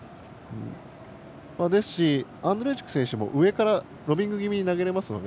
ですし、アンドレイチク選手も上からロビング気味に投げられますので